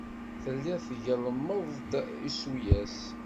Telliḍ tgellmeḍ-d isuyas.